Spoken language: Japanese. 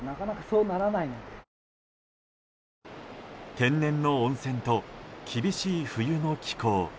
天然の温泉と厳しい冬の気候。